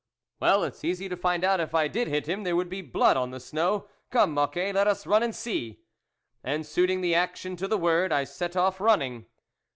" Well, it's easy to find out if I did hit him, there would be blood on the snow. Come, Mocquet, let us run and see." And suiting the action to the word, I set off running.